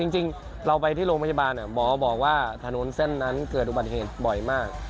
จริงเราไปที่โรงพยาบาลหมอบอกว่าถนนเส้นนั้นเกิดอุบัติเหตุบ่อยมาก